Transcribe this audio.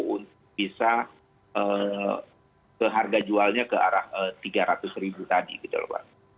untuk bisa ke harga jualnya ke arah tiga ratus ribu tadi gitu loh pak